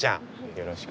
よろしくね。